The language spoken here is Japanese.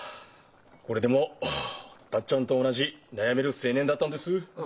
これでも達ちゃんと同じ悩める青年だったんです。